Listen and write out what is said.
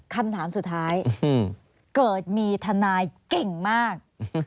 คำถามสุดท้ายเกิดมีทนายเก่งมาก